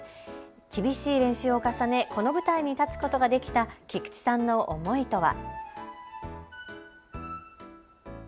厳しい練習を重ね、この舞台に立つことができた菊池さんの思いとは。